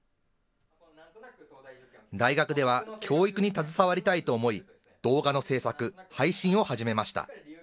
大学では教育に携わりたいと思い、動画の制作、配信を始めました。